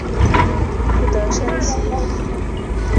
不得升级。